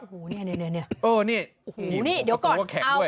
โอ้โหนี่นี่นี่นี่นี่โอ้โหนี่เดี๋ยวก่อนเอา